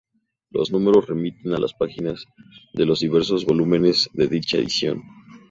Los números remiten a las páginas de los diversos volúmenes de dicha edición.